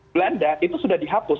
belanda itu sudah dihapus